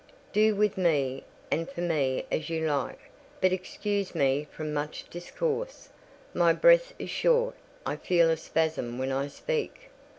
Do with me and for me as you like; but excuse me from much discourse—my breath is short—I feel a spasm when I speak."